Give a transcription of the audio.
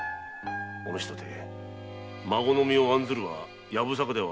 お主とて孫の身を案ずるはやぶさかではあるまい。